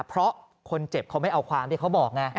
เพราะคนเจ็บเขาไม่เอาความที่เขาบอกไง